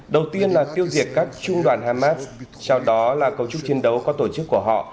đầu tiên là tiêu diệt các trung đoàn hamas sau đó là cấu trúc chiến đấu có tổ chức của họ